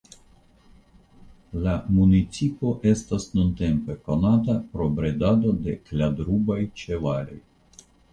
La municipo estas nuntempe konata pro bredado de kladrubaj ĉevaloj.